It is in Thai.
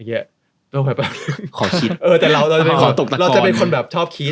ขอคิดแป๊บนึงขอตกตะกอนเราจะเป็นคนชอบคิด